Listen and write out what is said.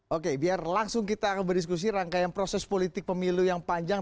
oke biar langsung kita akan berdiskusi rangkaian proses politik pemilu yang panjang